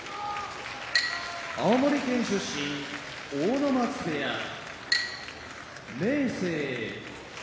青森県出身阿武松部屋明生